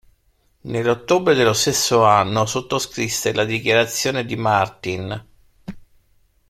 Nell'ottobre dello stesso anno sottoscrisse la Dichiarazione di Martin.